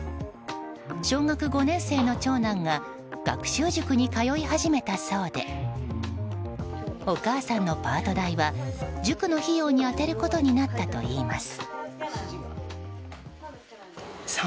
小学５年生の長男が学習塾に通い始めたそうでお母さんのパート代は塾の費用に充てることになったといいます。